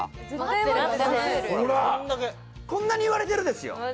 こんなに言われてるんですよ